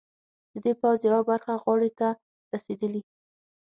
د دې پوځ یوه برخه غاړې ته رسېدلي.